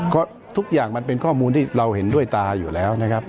ก็ทุกอย่างมันเป็นข้อมูลที่เราเห็นด้วยตาอยู่แล้วนะครับ